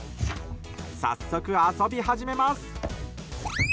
早速、遊び始めます。